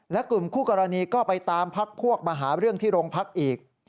และกลุ่มคู่กรณีก็ไปตามพักพวกมาหาเรื่องที่โรงพักอีก